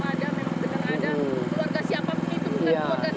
keluarga siapa begitu bukan keluarga saya yang penting ada